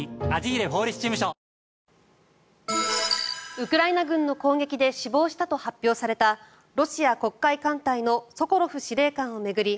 ウクライナ軍の攻撃で死亡したと発表されたロシア黒海艦隊のソコロフ司令官を巡り